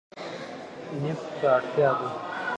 نفتو ته اړتیا ده.